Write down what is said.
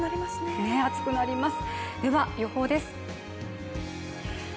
暑くなります。